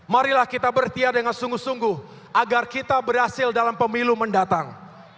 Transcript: marilah kita bertia dengan sungguh sungguh agar kita berhasil dalam pemilu mendatang